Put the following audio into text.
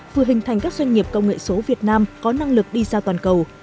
vừa hình thành các doanh nghiệp công nghệ số việt nam có năng lực đi ra toàn cầu